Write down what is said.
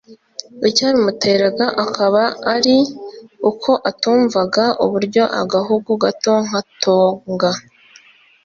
Icyabimuteraga akaba ari uko atumvaga uburyo agahugu gato nka Tonga